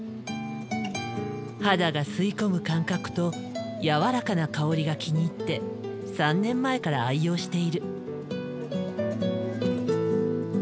肌が吸い込む感覚とやわらかな香りが気に入って３年前から愛用している。